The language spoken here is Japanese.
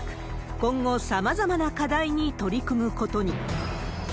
今後、さまざまな課題に取り組むことに。